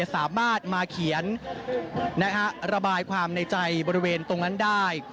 สามารถมาเขียนระบายความในใจบริเวณตรงนั้นได้